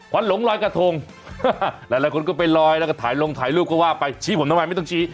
หลงลอยกระทงหลายคนก็ไปลอยแล้วก็ถ่ายลงถ่ายรูปก็ว่าไปชี้ผมทำไมไม่ต้องชี้